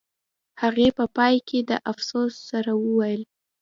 هغې په پای کې د افسوس سره وویل